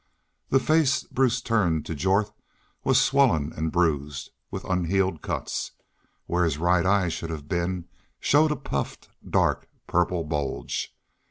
The face Bruce turned to Jorth was swollen and bruised, with unhealed cuts. Where his right eye should have been showed a puffed dark purple bulge.